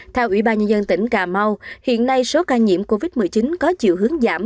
theo ủy ban nhân dân tỉnh cà mau hiện nay số ca nhiễm covid một mươi chín có chiều hướng giảm